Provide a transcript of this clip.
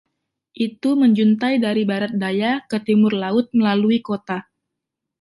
Itu menjuntai dari barat daya ke timur laut melalui kota.